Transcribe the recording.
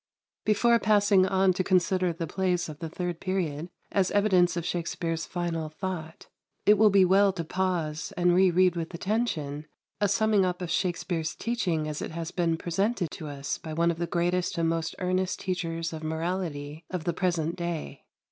127. Before passing on to consider the plays of the third period as evidence of Shakspere's final thought, it will be well to pause and re read with attention a summing up of Shakspere's teaching as it has been presented to us by one of the greatest and most earnest teachers of morality of the present day.